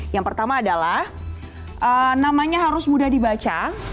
yang pertama adalah namanya harus mudah dibaca